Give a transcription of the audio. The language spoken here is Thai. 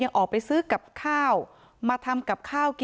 มันมีแม่ด้วยมันมีแม่ด้วย